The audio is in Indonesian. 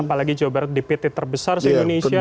apalagi jawa barat dpt terbesar se indonesia